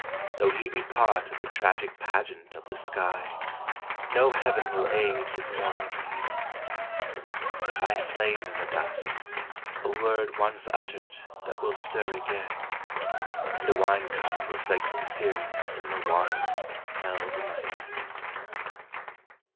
Though he be part of the tragic pageant of the sky, no heaven will aid his mortal need. I find flame in the dust, a word once uttered that will stir again, And a wine cup reflecting Sirius in the water held in my hands.